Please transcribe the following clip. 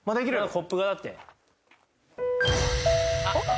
コップがだってＯＵＴ！